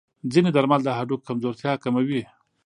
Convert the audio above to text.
ځینې درمل د هډوکو کمزورتیا کموي.